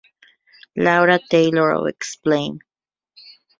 Laura Taylor of Exclaim!